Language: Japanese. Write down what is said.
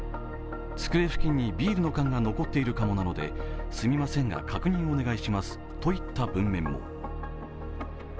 机付近にビールの缶が残っているかもなのですみませんが確認お願いしますといった文面も。